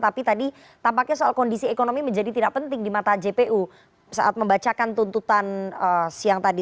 tapi tadi tampaknya soal kondisi ekonomi menjadi tidak penting di mata jpu saat membacakan tuntutan siang tadi